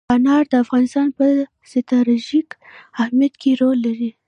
انار د افغانستان په ستراتیژیک اهمیت کې رول لري.